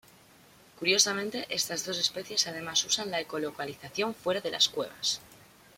Curiosamente estas dos especies además usan la ecolocalización fuera de las cuevas.